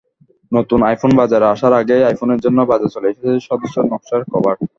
নতুন আইফোন বাজারে আসার আগেই আইফোনের জন্য বাজারে চলে এসেছে সুদৃশ্য নকশার কভার।